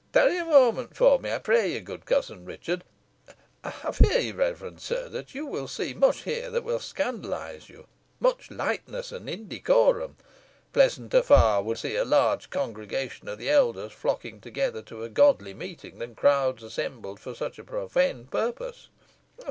Tarry a moment for me, I pray you, good cousin Richard. I fear, reverend sir, that you will see much here that will scandalise you; much lightness and indecorum. Pleasanter far would it be to me to see a large congregation of the elders flocking together to a godly meeting, than crowds assembled for such a profane purpose.